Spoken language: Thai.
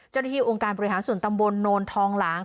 เจ้าหน้าที่โรงการบริหารศูนย์ตำบลโนรทองหลัง